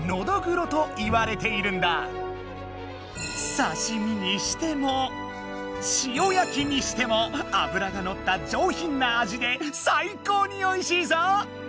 刺身にしても塩焼きにしてもあぶらがのったじょうひんなあじで最高においしいぞ！